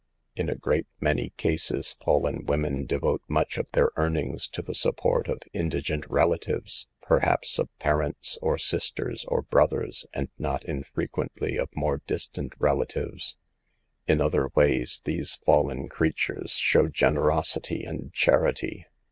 In a great many cases fallen women de vote much of their earnings to the support of indigent relatives, perhaps of parents, or sis ters, or brothers, and not infrequently of more distant relatives. In other ways these fallen creatures show generosity and charity.